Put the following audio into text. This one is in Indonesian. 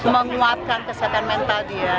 menguatkan kesehatan mental dia